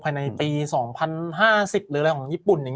ภายในปี๒๐๕๐หรืออะไรของญี่ปุ่น